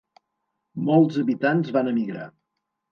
Molts habitants van emigrar.